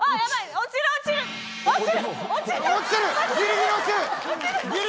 落ちてる！